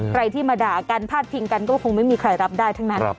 ใครที่มาด่ากันพาดพิงกันก็คงไม่มีใครรับได้ทั้งนั้น